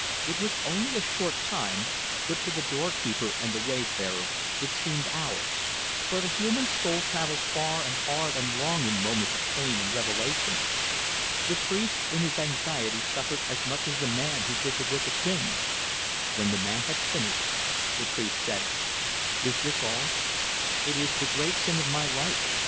It was only a short time, but to the door keeper and the wayfarer it seemed hours, for the human soul travels far and hard and long in moments of pain and revelation. The priest in his anxiety suffered as much as the man who did the wicked thing. When the man had finished, the priest said: "Is this all?" "It is the great sin of my life."